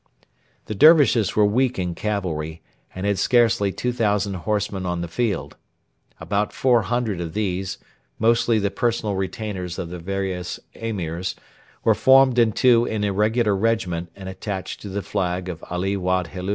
The Dervishes were weak in cavalry, and had scarcely 2,000 horsemen on the field. About 400 of these, mostly the personal retainers of the various Emirs, were formed into an irregular regiment and attached to the flag of Ali Wad Helu.